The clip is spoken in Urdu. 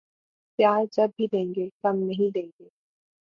پیار جب بھی دینگے کم نہیں دینگے